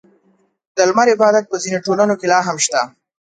• د لمر عبادت په ځینو ټولنو کې لا هم شته.